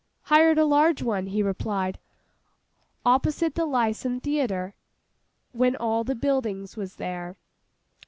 'Hired a large one,' he replied, 'opposite the Lyceum Theatre, when the buildings was there.